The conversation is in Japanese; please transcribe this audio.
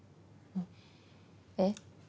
えっ？